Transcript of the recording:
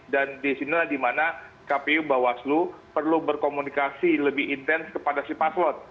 dan di sini dimana kpu mbak waslu perlu berkomunikasi lebih intens kepada si paslot